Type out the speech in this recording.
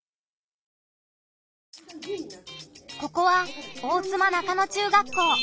ここは大妻中野中学校。